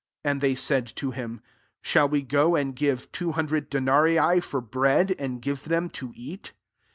'' And they said to him, " Shall we go and give two hundred denarii for bread, and give them to eat